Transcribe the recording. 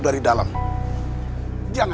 nah kita pulang